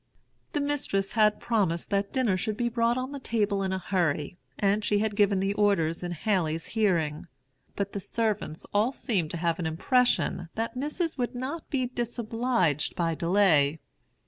'" "The mistress had promised that dinner should be brought on the table in a hurry, and she had given the orders in Haley's hearing. But the servants all seemed to have an impression that Missis would not be disobliged by delay.